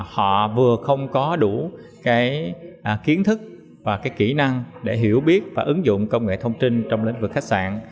họ vừa không có đủ cái kiến thức và cái kỹ năng để hiểu biết và ứng dụng công nghệ thông tin trong lĩnh vực khách sạn